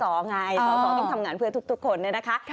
สอต้องทำงานเพื่อทุกคนนะคะ